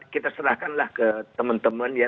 kita serahkanlah ke teman teman ya